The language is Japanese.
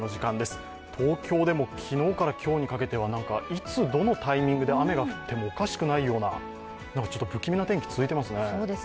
東京でも昨日から今日にかけては、いつ、どのタイミングで雨が降ってもおかしくないような不気味な天気が続いていますね。